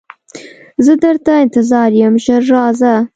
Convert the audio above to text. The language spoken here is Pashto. زه درته انتظار یم ژر راځه